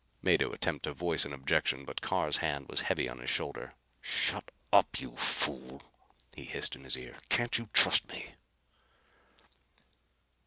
Mado attempted to voice an objection but Carr's hand was heavy on his shoulder. "Shut up, you fool!" he hissed in his ear. "Can't you trust me?"